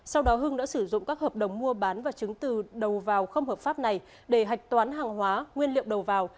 sau đó hưng đã sử dụng các hợp đồng mua bán và chứng từ đầu vào không hợp pháp này để hạch toán hàng hóa nguyên liệu đầu vào